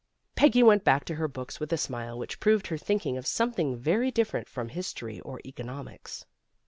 Peggy went back to her books with a smile which proved her thinking of something very different from history or economics.